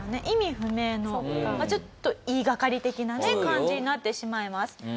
意味不明のちょっと言いがかり的なね感じになってしまいます。